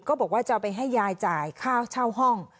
บอกว่าจะเอาไปให้ยายจ่ายค่าเช่าห้อง